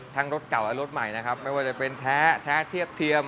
รถเก่าและรถใหม่นะครับไม่ว่าจะเป็นแท้แท้เทียบเทียม